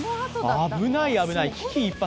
危ない危ない、危機一髪。